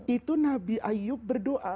itu nabi ayyub berdoa